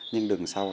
nhưng đường sau